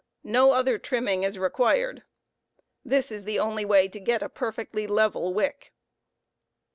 No other trimming I required. This is the only way to get a perfectly level wick.